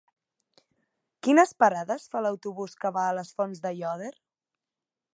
Quines parades fa l'autobús que va a les Fonts d'Aiòder?